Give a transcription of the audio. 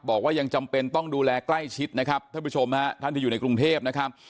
บอกว่ายังจำเป็นต้องดูแลใกล้ชิดนะครับท่านผู้ชมฮะท่านที่อยู่ในกรุงเทพนะครับ